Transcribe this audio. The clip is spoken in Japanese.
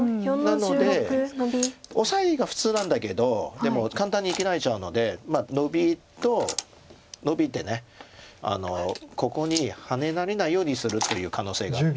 オサエが普通なんだけどでも簡単に生きられちゃうのでノビとノビてここにハネられないようにするという可能性があって。